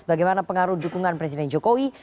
bagaimana pengaruh dukungan presiden jokowi